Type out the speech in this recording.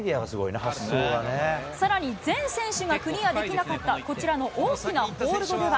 さらに全選手がクリアできなかったこちらの大きなホールドでは。